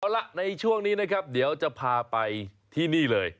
เอาล่ะในช่วงนี้นะครับเดี๋ยวจะพาไปที่นี่เลย